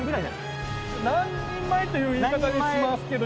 「何人前」という言い方にしますけど。